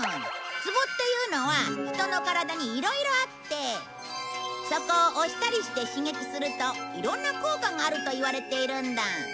ツボっていうのは人の体にいろいろあってそこを押したりして刺激するといろんな効果があるといわれているんだ。